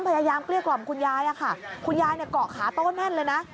พยายามเกลี้ยกล่อมคุณยายค่ะคุณยายเกาะขาต้นแน่นเลยนะ